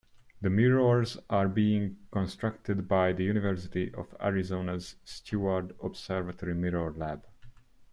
The mirrors are being constructed by the University of Arizona's Steward Observatory Mirror Lab.